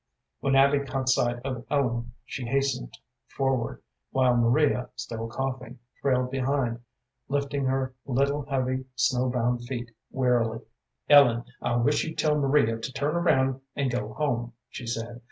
When Abby caught sight of Ellen she hastened forward, while Maria, still coughing, trailed behind, lifting her little, heavy, snow bound feet wearily. "Ellen, I wish you'd tell Maria to turn around and go home," she said.